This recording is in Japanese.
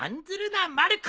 なまる子。